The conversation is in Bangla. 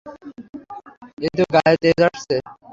এইতো গায়ে তেজ আসছে।